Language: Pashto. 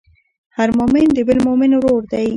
هر مؤمن د بل مؤمن ورور دی.